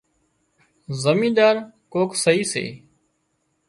زمينۮار ڪوڪ سئي سي